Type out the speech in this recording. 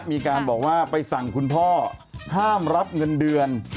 มีการบอกว่าไปสั่งคุณพ่อห้ามรับเงินเดือน